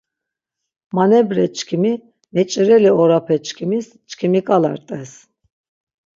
Manebrape çkimi meç̌ireli orape çkimis çkimi ǩala rt̆es.